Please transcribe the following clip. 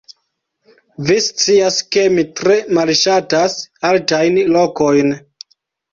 Vi scias ke mi tre malŝatas altajn lokojn